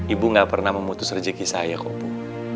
ibu gak pernah memutus rezeki saya kok bu